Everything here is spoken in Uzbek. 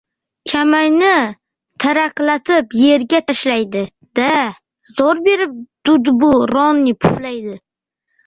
kamayni taraqlatib yerga tashlaydi-da, zo‘r berib dudbu- ronni puflaydi.